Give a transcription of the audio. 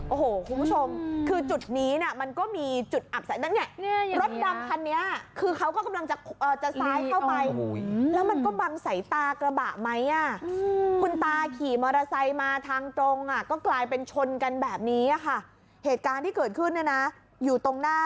โอ้โหคุณผู้ชมคือจุดนี้น่ะมันก็มีจุดอักษะนั้นไงรถดำคันเนี้ยคือเขากำลังจะจะซ้ายเข้าไปแล้วมันก็บังใสตากระบะไหมอ่ะคุณตาขี่มอเตอร์ไซค์มาทางตรงอ่ะก็กลายเป็นชนกันแบบนี้อ่ะค่ะเหตุการณ์ที่เกิดขึ้นเนี้ยน่ะอยู่ตรงหน้ารักที่เกิดขึ้นเนี้ยน่ะอยู่ตรงหน้ารักที่เกิดขึ้นเนี้ยน